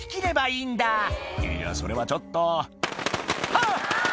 いやそれはちょっと「あっ！」